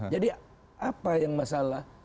jadi apa yang masalah